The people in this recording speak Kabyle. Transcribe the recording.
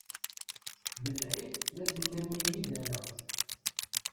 D lɛib ma tennam-iyi-d ala!